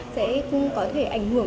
sẽ cũng có thể ảnh hưởng